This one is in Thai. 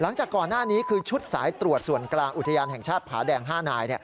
หลังจากก่อนหน้านี้คือชุดสายตรวจส่วนกลางอุทยานแห่งชาติผาแดง๕นาย